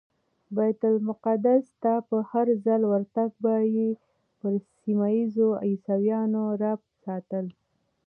بیت المقدس ته په هرځل ورتګ به یې پر سیمه ایزو عیسویانو رعب ساتل.